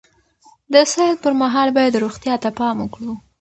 د سیل پر مهال باید روغتیا ته پام وکړو.